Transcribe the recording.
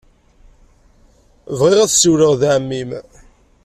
Bɣiɣ ad ssiwleɣ ed ɛemmi-m.